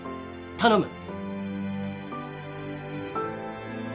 頼む！